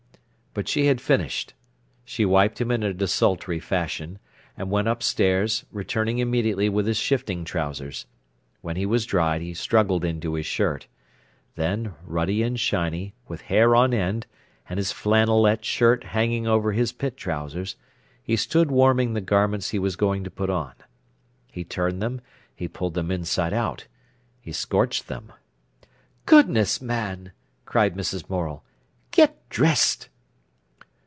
But she had finished. She wiped him in a desultory fashion, and went upstairs, returning immediately with his shifting trousers. When he was dried he struggled into his shirt. Then, ruddy and shiny, with hair on end, and his flannelette shirt hanging over his pit trousers, he stood warming the garments he was going to put on. He turned them, he pulled them inside out, he scorched them. "Goodness, man!" cried Mrs. Morel, "get dressed!"